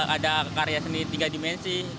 ada karya seni tiga dimensi